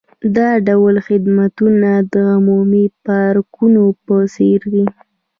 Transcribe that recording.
دا ډول خدمتونه د عمومي پارکونو په څیر دي